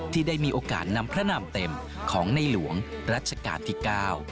ที่ได้มีโอกาสนำพระนามเต็มของในหลวงรัชกาลที่๙